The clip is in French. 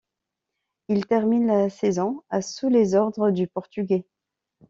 Il termine la saison à sous les ordres du Portugais.